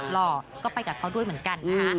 หล่อก็ไปกับเขาด้วยเหมือนกันนะฮะ